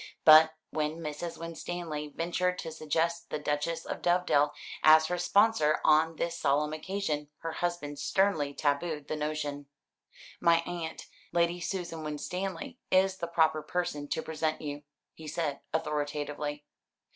But when Mrs. Winstanley ventured to suggest the Duchess of Dovedale, as her sponsor on this solemn occasion, her husband sternly tabooed the notion. "My aunt, Lady Susan Winstanley, is the proper person to present you," he said authoritatively.